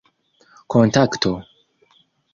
kontakto